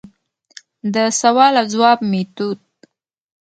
دسوال او ځواب ميتود: